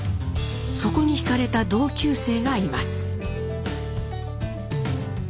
そこに惹かれた同級生がいます。